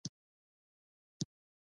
میرات مړی خوب خراب شو.